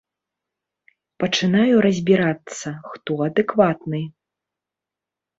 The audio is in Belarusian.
Пачынаю разбірацца, хто адэкватны.